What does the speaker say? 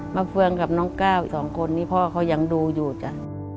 มะเฟืองกับน้องก้าว๒คนนี่พ่อเขายังดูอยู่จ้ะ